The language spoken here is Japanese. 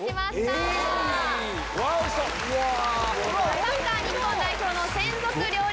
サッカー日本代表の専属料理